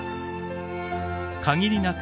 限りなく